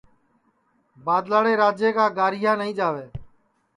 بادلاڑے راجے کا گاریا نائی جاوے